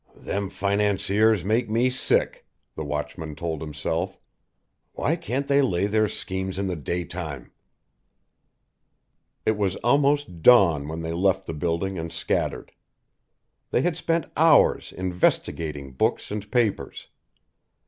"Them financiers make me sick!" the watchman told himself. "Why can't they lay their schemes in the daytime?" It was almost dawn when they left the building and scattered. They had spent hours investigating books and papers.